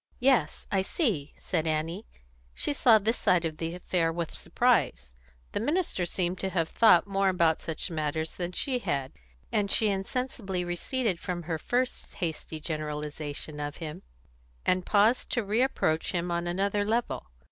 "Yes, I see," said Annie. She saw this side of the affair with surprise. The minister seemed to have thought more about such matters than she had, and she insensibly receded from her first hasty generalisation of him, and paused to reapproach him on another level.